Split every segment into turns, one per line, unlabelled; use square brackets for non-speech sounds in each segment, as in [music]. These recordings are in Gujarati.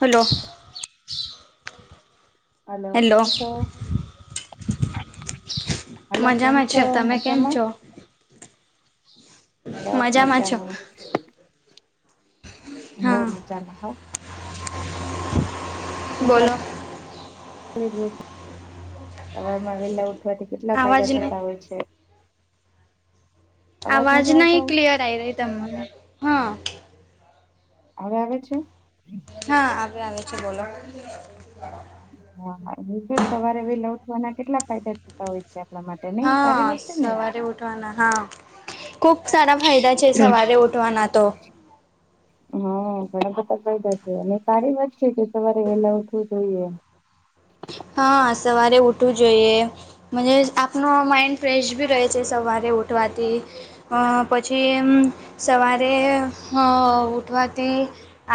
હલો.
હલો.
હેલો
કેમ છો? હલો કેમ
મજામાં
છો
છે. તમે કેમ
મજામાં
છો? મજામાં છો.
હોવ
હા
મજામાં હો. [unintelligible]
બોલો
સવારમાં વહેલાં ઊઠ ઠવાથી કેટલા
આવાજ
ફાયદા
ન
થતા હોય છે? અવાજ
આવાજ
નથી આવતો
નહીં ક્લિયર આઈ રહી તમને, હા.
હવે આવે છે?
હા હવે આવે છે. બોલો ને.
હા [unintelligible] સવારે વહેલા ઉઠવાના કેટલા ફાયદા થતા હોય છ? જે આપણા માટે નહીં, સારી
હા
વાત છે ને?
સવારે ઉઠવાના હા, ખુબ સારા ફાયદા છે સવારે ઉઠવાના તો.
હા ઘણા બધા ફાયદા છે. અને સારી વાત છે કે સવારે વહેલા ઉઠવું જોઈએ.
હા સવારે ઉઠવું જોઈએ. મજે આપનો માઇન્ડ ફ્રેશ બી રહે છે સવારે ઉઠવાથી. હા પછી એમ સવારે હા ઉઠવાથી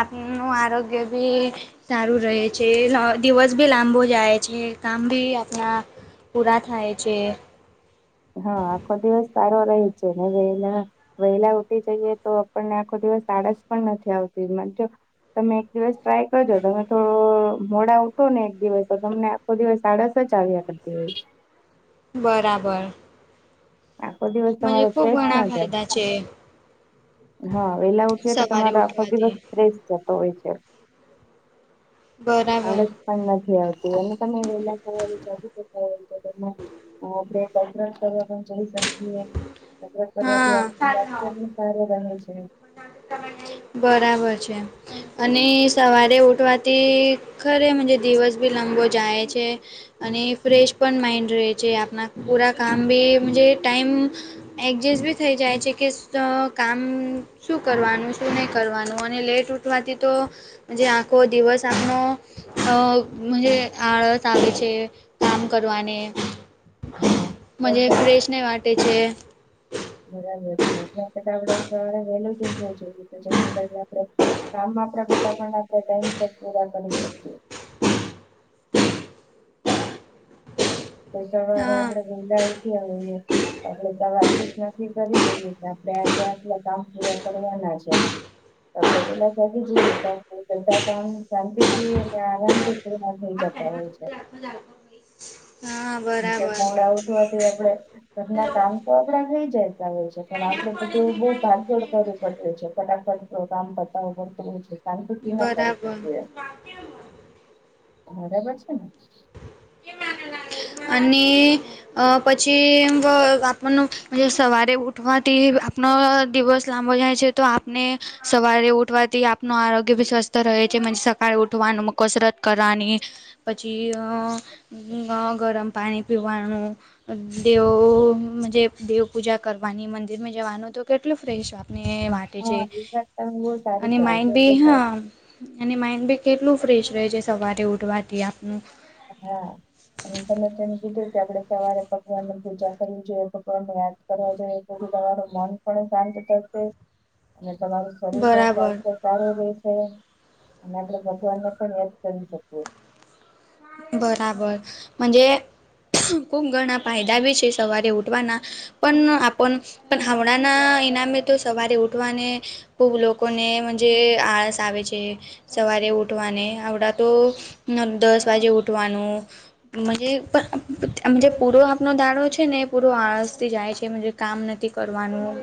આપનું આરોગ્ય બી સારું રહે છે. લ દિવસ ભી લાંબ બોવ જાય છે, કામ બી આપણા પૂરા થાય છે.
હા. આખો દિવસ સારો રહે છે. [unintelligible] વહેલા ઉઠી જઈએ તો આપણને આખો દિવસ આળસ પણ નથી આવતી. [unintelligible] તમે એક દિવસ ટ્રાય કરજો. તમે થો મોડા ઊઠ ઠશો ને એક દિવસ તો તમને આખો દિવસ આળસ જ આવ્યા કરતી હોય.
બરાબર.
આખો દિવસ
મજે
તમારો
ખૂબ
ફ્રેશ
ઘણા
ના જાય
ફાયદા છે.
હા. વહેલા ઉઠીએ તો
સવારે
તમારો આખો દિવસ
ઉઠવાથી
ફ્રેશ જતો હોય છે.
બરાબર
આળસ પણ નથી આવતી. અને તમે વહેલાં [unintelligible] કસરત કરવા પણ જઈ શકીએ. કસરત કરવાથીં
હા
આપણા સ્વાસ્થ્યની સારી બને છે.
બરાબર છે. અને સવારે ઉઠવાથી ખરે મજે દિવસ ભી લાંબો જાય છે. અને ફ્રેશ પણ માઈન્ડ રહે છે. આપના પૂરા કામ ભી મજે ટાઈમ એડજસ્ટ બી થઈ જાય છે, કે શ કામ શું કરવાનું, શું નહીં કરવાનું. અને લેટ ઉઠવાથી તો જે આખો દિવસ આપનો અહ મજે આળસ આવે છે, કામ કરવાને.
હા
મને ફ્રેશ ને વાટે છે
બરાબર છે એટલે આપડે સવારે વહેલુ જ ઊઠવું જોઈએ તો જેથી કરીને આપડે કામ આપડા બધા પણ આપણે ટાઈમસર પૂરા કરી શકીએ તો સવારે
હા.
આપડે [unintelligible] હોઈએ આપડે સવારથી જ થી નકકી કરી લઈએ કે આપણે આજે આટલા કામ પૂરા કરવાના છે તો આપડે વેલા જાગી જઈએ [unintelligible] કામ શાંતિ થી અને આરામથી હેરાન થઇ જતા હોય છે.
[unintelligible] હા [unintelligible]
[unintelligible] મોડા ઉઠવાથી આપડે ઘર ના કામ તો આપડા થઈ જતા હોય છે પણ આપડે બધું બહુ ભાગદોડ કરવી પડે છે ફટાફટ પ્રોગામ બતાવું પડતું હોઈ છે. કામ [unintelligible] ના કરી
બરાબર.
શકી એ બરાબર છે ને
અને અ પછી એમ આપણુ સવારે ઉઠવાથી આપનો દિવસ [unintelligible] જાય તો આપને સવારે ઉઠવાથી આપનું આરોગ્ય ભી સ્વસ્થ રહે છે સફાઈ ઉઠવાનું કસરત કરવાની પછી અ ગરમ પાણી પીવાનું અ દેવો દેવ પૂજા કરવાની મંદિરમાં જવાનું તો કેટલું ફ્રેશ ને માટે છે
હા એ વાત તમે બહુ સારી
અને
કરી છે
માઇન્ડ બી
એટલે
હા અને માઇન્ડ બી કેટલું ફ્રેશ રહે છે સવારે ઉઠવાથી આપનું
હ... અને તમે જેમ કીધું કે આપણે સવારે ભગવાનની પૂજા કરવી જોઈએ ભગવાન તો [unintelligible] કરવા જોયે જેથી તમારું મન પણ શાંત થશે અને તમારું શરીર પણ
બરાબર
સ્વાસ્થ સારું રહે છે અને આપણે ભગવાનને પણ યાદ કરી શકીએ.
બરાબર [unintelligible] ખુબ ઘણા ફાયદા બી છે સવારે ઉઠવાના પણ આપણ પણ હમણાં ના ઈનામે તો સવારે ઉઠવાને બહુ લોકોને જે આળસ આવે છે. સવારે ઉઠવાને આવડા તો નવ-દસ વાગે ઉઠવાનું. [unintelligible] પૂરો આપનો દાડો છે ને પૂરો આળસથી જાય છે કામ નથી કરવાનું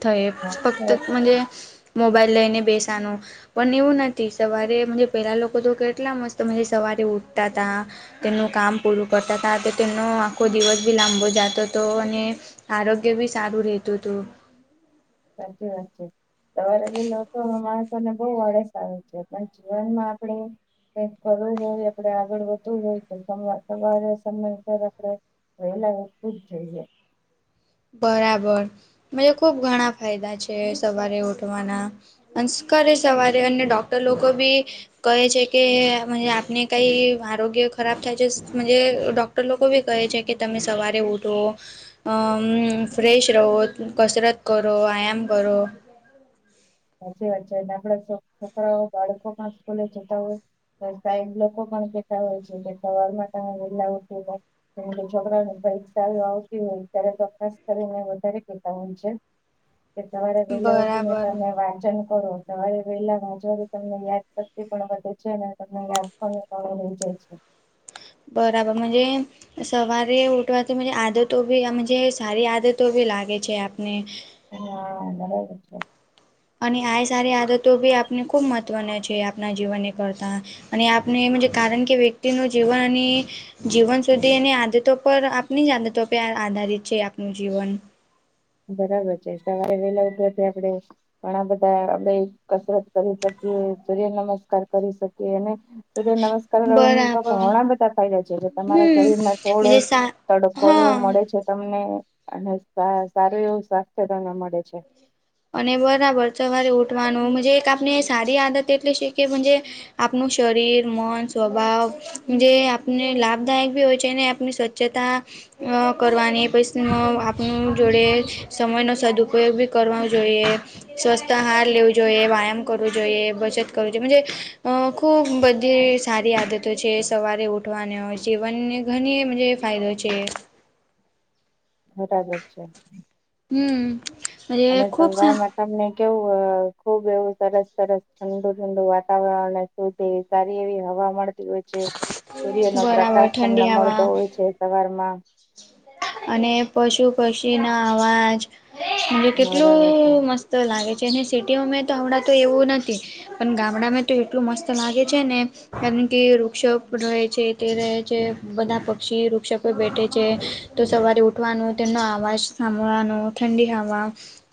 [inaudible]
હા
ફક્ત
બરાબર.
[unintelligible] મોબાઈલ લઈને બેસાનું પણ એવું નથી સવારે એમ જે પેલા લોકો તો કેટલા મસ્ત [unintelligible] સવારે ઉઠતા તા તેમનું કામ પૂરું કરતા તા તો તેમનો આખો દિવસ બી લાંબો જાતો તો અને આરોગ્ય બી સારું રેતું તું
સાચી વાત છે. સવારે વેલા ઉઠાવામાં માણસોં ને બહુ આળસ આવે છે પણ જીવનમાં આપણે કઈક કરવુ હોય આપણે આગળ વધવું હોય તો સમય [unintelligible] આપણે વહેલા ઉઠવું જ જોઈએ.
બરાબર [unintelligible] ઘણા ફાયદા છે સવારે ઉઠવાના [unintelligible] સવારે અને ડોક્ટર લોકો બી કહે છે કે આપને કઈ આરોગ્ય ખરાબ થાય છે [unintelligible] લોકો બી કહે છે કે તમે સવારે ઉઠો હમ. ફ્રેશ રહો કસરત કરો, આયામ કરો
સાચી વાત છે અને આપડા છોકરાઓ બાળકો પણ સ્કૂલે જતા હોય. સાહેબ લોકો પણ કેતા હોય છે કે સવાર માં તમે વેલા ઉઠી જાવ. એ છોકરાવો ને પરીક્ષાઆઓ આવતી હોય ત્યારે તો ખાસ કરીને વધારે ચિંતા હોય છે. કે સવારે વહેલા ઉઠીને
બરાબર
તમે વાંચન કરો સવારે વેલા વાંચવથી તમને યાદ શક્તિ પણ વધે છે અને તમને યાદ હ [unintelligible] જાય છે.
બરાબર મન્જે, સવારે ઉઠવાથી મજે આદતો બી આમ જે સારી આદતો ભી લાગે છે આપને,
[unintelligible] છે.
અને આય સારી આદતો બી આપને ખૂબ મહત્વના છે, આપના જીવનને કરતા, અને આપને એમજે કારણ કે વ્યક્તિનું જીવનની, જીવન સુધીની આદતો પર આપની જ આદતો પે આધારિત છે આપનું જીવન,
બરાબર છે, સવારે વેલા ઉઠવાથી આપડે ઘણા બધા આબેય કસરત કરી શકીએ, સૂર્ય નમસ્કાર કરી શકીએને, સૂર્ય નમસ્કાર કરવાનું
બરાબર
ઘણા બધા ફાયદા છે, તમારા
હમ
શરીરમાં થોડો,
સા
તડકો એવો
હા
મળે છે તમને અને સા સારું એવું સ્વાસ્થ્ય તમને મળે છે.
અને બરાબર સવારે ઉઠવાનું મજે એક આપને સારી આદત એટલી શે કે મન્જે, આપનું શરીર, મન, સ્વભાવ જે આપને લાભદાયક ભી હોય છે ને આપને શ જતાં અ કરવાની પૈસીનો આપનું જોડે સમયનો સદુપયોગી બિ કરવા, જોયે સ્વસ્થ આહાર લેવું જોઈએ, વ્યાયામ કરવું જોઈએ, બચત કરવુ જોયે, મજે અ ખૂબ બધી સારી આદતો છે સવારે ઉઠવાને જીવનને ઘની મજે ફાયદો છે.
બરાબર છે.
હું,
અને સવાર મા, તમને કેવું અ ખુબ એવું સરસ સરસ ઠંડુ ઠંડુ વાતાવરણ તો તે સારી એવી હવા મળે, રોજે સૂર્યનો
બરાબર
પ્રકાશ તમને
ઠંડી
મળતો
હવા
હોય છે સવારમાં,
અને પશુ પક્ષીના અવાજ
બરાબર છે.
કેટલું મસ્ત ત લાગે છે અને સિટીઓ મે તો હમણાં તો એવું નથી. પન ગામડામાંં તો એટલું મસ્ત લાગે છે ને, કારણ કે વૃક્ષો પ રહે છે કે રહે છે બધા પક્ષી વૃક્ષો પર બેઠે છે, તો સવારે ઉઠવાનું, તેમનો અવાજ સાંભળવાનો ઠંડી હવા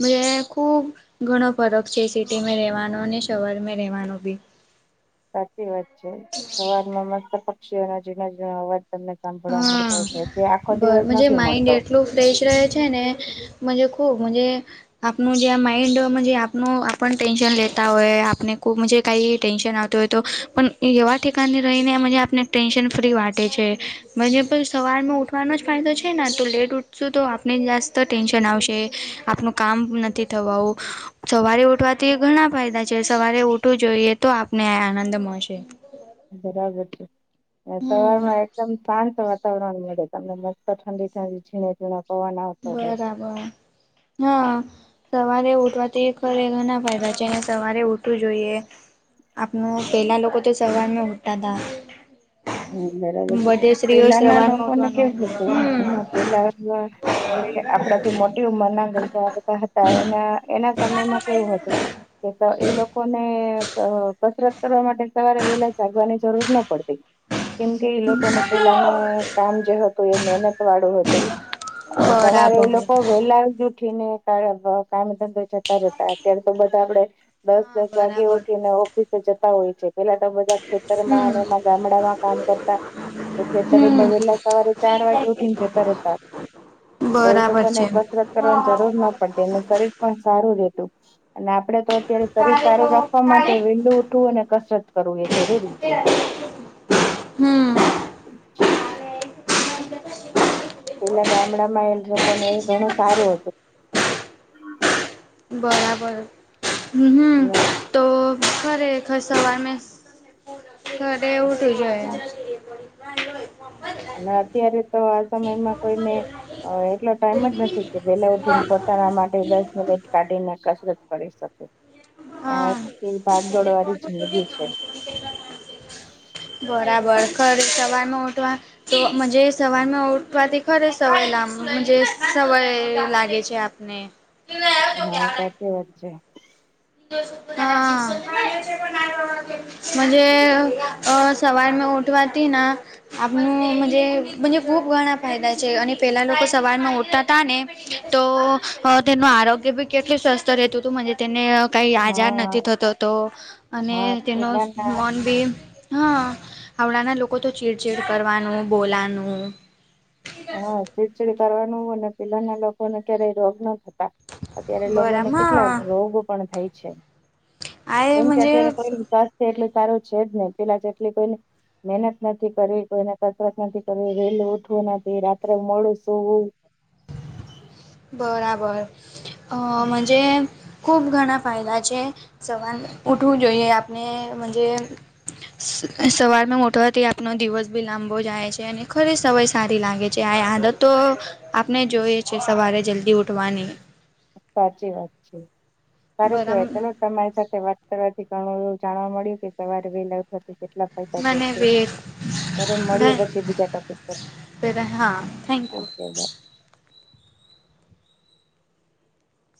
મજે ખુબ ઘણો ફરક છે સિટીમાં રેવાનો અને શહર મેં રેહવાનો બી.
સાચી વાત છે, સવારમાં મસ્ત પક્ષીઓના ઝીણા ઝીણા અવાજ તમને સાંભળવા
હા
મળતો હોય છે જે આખો
બર
દિવસ
મજે
નથી
માઇન્ડ
મળતો,
એટલું ફ્રેશ રહે છે ને, મન્જે ખૂબ મન્જે, આપનું જે આ માઈન્ડ મન્જે આપનું આપણ ટેન્શન લેતા હોય આપને કો મજે કાઈ ટેન્શન આવતી હોય, તો પણ એવા ઠીકાને રહીને મન્જે આપને ટેન્શન ફ્રી વાટે છે. મન્જે પ સવારનું ઉઠવાનો જ ફાયદો છે ના તો લેટ ઉઠશું તો આપને જાસ્ત ટેન્શન આવશે, આપનો, કામ નથી થવાવું, સવારે ઉઠવાથી એ ઘણા ફાયદા છે, સવારે ઊઠવુ જોઈએ તો આપણને આ આનંદ મળશે.
બરાબર છે, ને
હમ
સવારમાં એકદમ શાંત વાતાવરણ મળે તમને મસ્ત ઠંડી ઠંડી ઝીણે ઝીણા પવન આવે
બરાબર હા, સવારે ઉઠવાથી ખરે ઘણા ફાયદા છે અને સવારે ઉઠવું જોઈએ. આપનું પેલા લોકો તો સવારમાં ઉઠતા તા.
હું, બરાબર છે. પેલાના
સવારમાં
લોકોને
ઉઠવાનું
કેવું હતું,
હમ
હ પેલા આપડે આપડાથી મોટી ઉમરના ઘરનાં બધા હતા, એના એના સમયમાં કેવું હતું કે તો ઈ લોકોને અ કસરત કરવા માટે સવારે વેલા જાગવાની જરૂર ન પડતી. કેમ કે, એ લોકો નું પેલાનું કામ જે હતું એ મેનત વાળું હતું. અને સવારે
બરાબર
એ લોકો વેલા જ ઉઠીને કાળ ક કામ ધંધે જ તા રેતા. અત્યારે તો બધા આપડે દસ
હા
દસ વાગે
બરાબર
ઉઠીને ઓફિસે જતા હોય છે. પેલા તો બધા ખેતરમાં,
હમ
અને એમાં ગામડામાં કામ કરતા. તો ખેતરે તો
હમ
વેલા સવારે ચાર વાગે ઉઠીને જતા રેતા.
બરાબર છે.
કસરત કરવાની જરૂર ન પડતી, એમનું શરીર પણ સારું રહેેતું. અને આપડે તો, અત્યારે શરીર સારું રાખવા માટે, વેલું ઉઠવું અને કસરત કરવું એ જરૂરી છે.
હમ
હ [inaudible] પેલા ગામડામાં એમ લોકોને એ ઘણું સારું હતું,
બરાબર. હું હું.
નહીં,
તો ખરેખર સવાર મે ખરે ઉઠું જોઈએ.
અને અત્યારે, તો આ સમયમાં કોઈને, અ એટલો ટાઈમ જ નથી કે વેલા ઉઠીને પોતાના માટે, કે દસ મિનિટ કાઢીને કસરત કરી શકે.
હા
આખી ભાગ-દોડ વાળી જિંદગી છે.
બરાબર. ખર સવારનું ઉઠવાનું તો મઝે, સવારમાં ઉઠવાથી ખરે સવાર લઈને સવાય લાગે છે, આપ ને.
હા, સાચી વાત છે.
હમ્મ. મઝે અ સવાર મેં ઉઠવાથી ના, આપનું મઝે, મઝે ખૂબ ઘણા ફાયદા છે. અને પેલા લોકો સવારમાં ઉઠતા તા ને, તો તેનું આરોગ્ય ભી કેટલું સ્વસ્ત રહેતું હતું. મઝે તેને કંઈ આજાર
હા
નથી થતો તો, અને
હા
તેનો
પેલાના
મન ભી હમ્મ. હમણાના લોકો તો ચીડચીડ કરવાનું, બોલાનું,
હા ચીડચીડ કરવાનું, અને પેલા ના લોકોને ક્યારેય રોગ ના થતા. અત્યારે લોકોને
બરાબર
કેટલાક રોગો પણ થાય છે.
આ એ
કેમ કે
મજે
અત્યારે કોઈનું ચાલ એટલું સારું છે જ ને. પેલા જેટલી કોઈન મહેનત નથી કરવી, કોઈને કસરત નથી કરવી. વેલું ઉઠવું નથી, રાત્રે મોડું સૂવું.
બરાબર. અ મઝે ખૂબ ઘણા ફાયદા છે. સવાર ઉઠવું જોઈએ, આપણે મઝે
હ [inaudible]
સવારમાં ઉઠવાથી આપનો દિવસ ભી લાંબો જાય છે, અને ખરે સવાય સારી લાગે છે, આય આદત તો આપણે જોઈએ છે, સવારે જલ્દી ઉઠવાની‌.
સાચી વાત છે. સારું
બરાબર
કેહવાય ચલો. તમારી સાથે વાત કરવાથી, ઘણું એવું જાણવા મળ્યું કે સવારે વેલા, વાથી કેટલા ફાયદા
મને
થાય છે. ચાલો મળીએ પછી બીજા ટોપિક પર.
ફીર હા. Thank you.
Okay by